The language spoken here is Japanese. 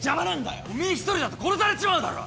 おめえ一人だと殺されちまうだろ。